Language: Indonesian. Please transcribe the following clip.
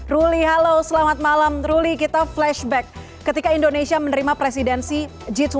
ruli halo selamat malam ruli kita flashback ketika indonesia menerima presidensi g dua puluh